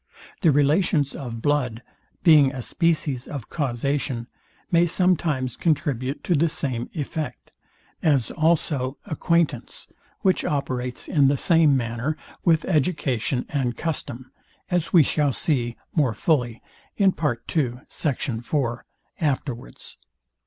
The relations of blood, being a species of causation, may sometimes contribute to the same effect; as also acquaintance, which operates in the same manner with education and custom; as we shall see more fully afterwards.